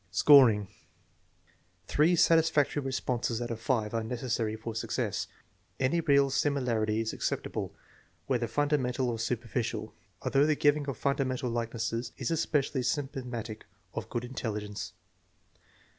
Scoring. Three satisfactory responses out of five are neces sary for success. Any real similarity is acceptable, whether fundamental or superficial, although the giving of fun damental likenesses is especially symptomatic of good intelligence.